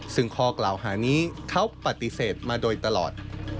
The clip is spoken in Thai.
ซึ่งข้อกล่าวหานี้เขาปฏิเสธมาโดยตลอด